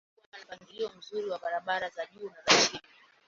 Una bandari kubwa na mpangilio mzuri wa barabara za juu na chini.